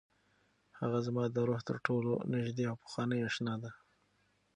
هغه زما د روح تر ټولو نږدې او پخوانۍ اشنا ده.